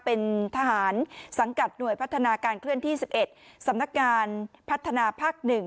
เป็นทหารสังกัดหน่วยพัฒนาการเคลื่อนที่สิบเอ็ดสำหรับการพัฒนาภาคหนึ่ง